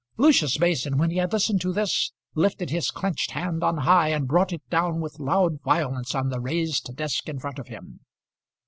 Lucius Mason, when he had listened to this, lifted his clenched hand on high, and brought it down with loud violence on the raised desk in front of him.